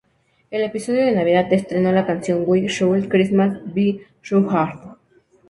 El episodio de Navidad estrenó la canción, 'Why should Christmas be so hard?